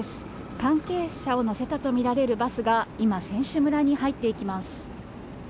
関係者を乗せたと見られるバスが今、選手村に入っていきます。